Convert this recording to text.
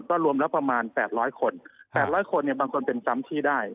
ก็รวมแล้วประมาณ๘๐๐คน๘๐๐คนเนี่ยบางคนเป็นจำที่ได้